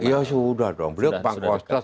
ya sudah dong beliau ke bank kostra